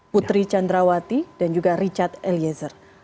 putri candrawati dan juga richard eliezer